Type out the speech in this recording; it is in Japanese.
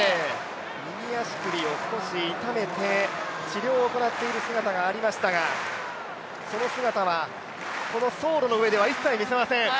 右足首を少し痛めて治療を行っている姿がありましたがその姿は、この走路の上では一切見せません。